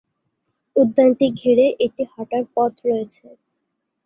উদ্যানটি ঘিরে একটি হাঁটার পথ রয়েছে।